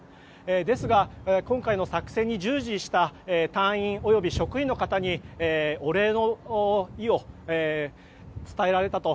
ですが、今回の作戦に従事した隊員及び職員の方にお礼の意を伝えられたと。